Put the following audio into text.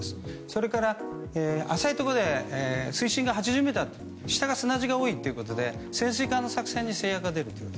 それから浅いところで水深が８０ｍ下が砂地が多いということで潜水艦の作戦に制約が出る。